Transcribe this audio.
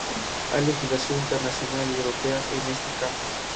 Hay legislación internacional y europea en este campo.